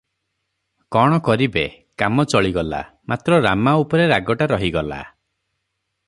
କଣ କରିବେ, କାମ ଚଳିଗଲା; ମାତ୍ର ରାମା ଉପରେ ରାଗଟା ରହିଗଲା ।